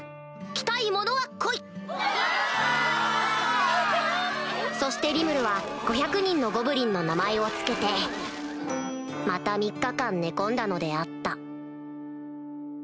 来たい者は来い歓声そしてリムルは５００人のゴブリンの名前を付けてまた３日間寝込んだのであった